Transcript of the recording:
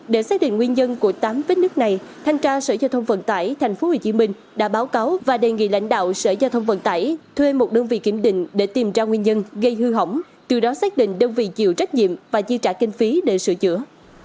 để xác định nguyên nhân của tám vết nước này thanh tra sở giao thông vận tải tp hcm đã báo cáo và đề nghị lãnh đạo sở giao thông vận tải thuê một đơn vị kiểm định để tìm ra nguyên nhân gây hư hỏng từ đó xác định đơn vị chịu trách nhiệm và chi trả kinh phí để sửa chữa